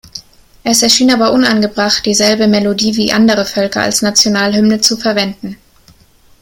Es erschien aber unangebracht, dieselbe Melodie wie andere Völker als Nationalhymne zu verwenden.